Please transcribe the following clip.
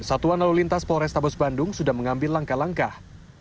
satuan lalu lintas polrestabes bandung sudah mengambil langkah langkah